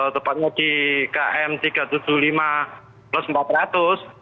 tepatnya di km tiga ratus tujuh puluh lima plus empat ratus